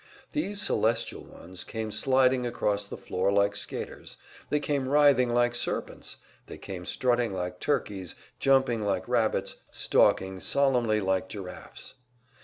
These celestial ones came sliding across the floor like skaters, they came writhing like serpents, they came strutting like turkeys, jumping like rabbits, stalking solemnly like giraffes.